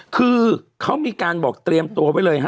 คือเขามีการบอกเตรียมตัวไว้เลยฮะ